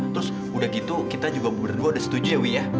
terus udah gitu kita juga berdua udah setuju ya wi ya